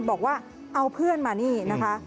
บอกว่าเอาเพื่อนมานี่นะคะ